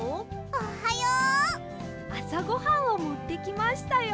あさごはんをもってきましたよ。